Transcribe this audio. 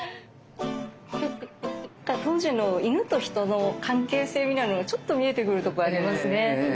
当時の犬と人の関係性みたいのがちょっと見えてくるとこありますね。